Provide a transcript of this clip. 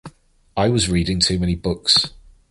I was reading too many books.